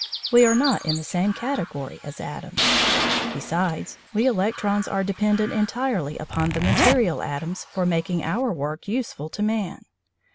We are not in the same category as atoms. Besides, we electrons are dependent entirely upon the material atoms for making our work useful to man.